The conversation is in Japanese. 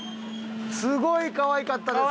すごいかわいかったです。